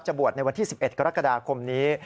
บวชในวันที่๑๑กรกฎาคมนี้